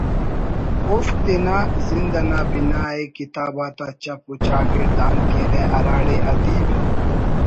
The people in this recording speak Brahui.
اوفک تینا زند نا بناءِ کتاب آتا چپ و چاگڑ آن کیرہ ہراڑے ادیب